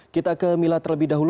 kita ke mila terlebih dahulu